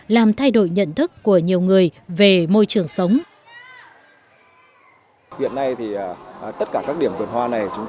làm thay đổi nhận thức của nhiều người về môi trường sống